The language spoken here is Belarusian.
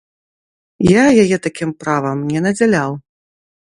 Я яе такім правам не надзяляў.